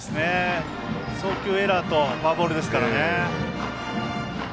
送球エラーとフォアボールですからね。